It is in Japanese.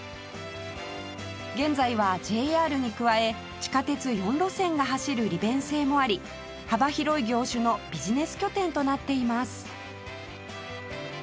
現在は ＪＲ に加え地下鉄４路線が走る利便性もあり幅広い業種のビジネス拠点となっています